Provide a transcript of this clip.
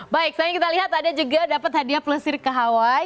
baik selanjutnya kita lihat ada juga dapat hadiah plusir ke hawaii